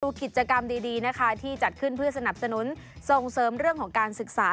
กิจกรรมดีนะคะที่จัดขึ้นเพื่อสนับสนุนส่งเสริมเรื่องของการศึกษา